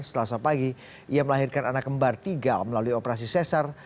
selasa pagi ia melahirkan anak kembar tiga melalui operasi sesar